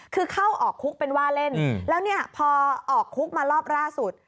คือเข้าออกคุกเป็นว่าเล่นแล้วเนี่ยพอออกคุกมารอบล่าสุด